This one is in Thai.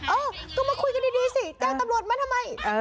เออก็มาคุยกันดีสิแจ้งตำรวจมาทำไม